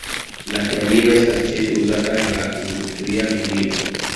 La termino estas ĉefe uzata en la industria medio.